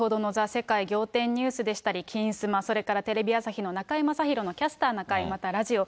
世界仰天ニュースでしたり、金スマ、それからテレビ朝日の中居正広のキャスターな会、また、ラジオ。